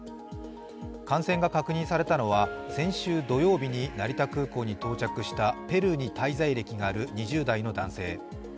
感染が確認されたのは先週土曜日に成田空港に到着したペルーに滞在歴のある２０代の男性。